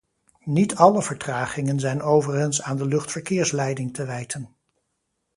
Niet alle vertragingen zijn overigens aan de luchtverkeersleiding te wijten.